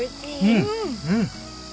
うんうん。